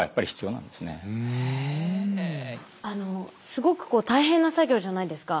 すごく大変な作業じゃないですか。